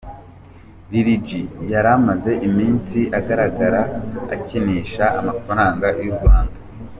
Lil G yaramaze iminsi agaragara akinisha amafaranga y' u Rwanda.